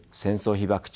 被爆地